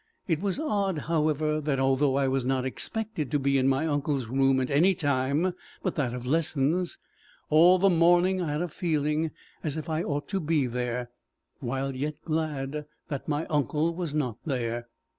It was odd, however, that, although I was not expected to be in my uncle's room at any time but that of lessons, all the morning I had a feeling as if I ought to be there, while yet glad that my uncle was not there.